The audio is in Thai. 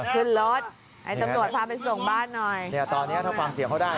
ขึ้นรถไอ้ตำรวจพาไปส่งบ้านหน่อยเนี่ยตอนเนี้ยถ้าฟังเสียงเขาได้